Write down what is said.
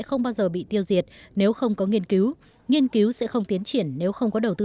không bao giờ bị tiêu diệt nếu không có nghiên cứu nghiên cứu sẽ không tiến triển nếu không có đầu tư